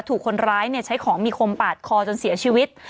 ถูกคนร้ายใช้ของมีคมปาดคอจนเสียชีวิต